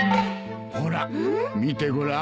ほら見てごらん。